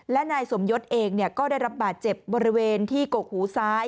และนายสมยศเองก็ได้รับบาดเจ็บบริเวณที่กกหูซ้าย